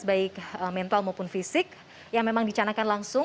baik mental maupun fisik yang memang dicanakan langsung